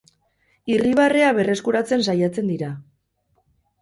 Irribarrea berreskuratzen saiatzen dira.